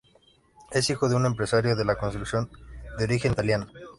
Es hijo de un empresario de la construcción de origen italiano.